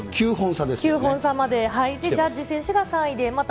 ９本差で、ジャッジ選手が２位で、３位でまた